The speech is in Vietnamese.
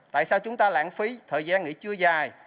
tại sao chúng ta lãng phí thời gian nghỉ chưa dài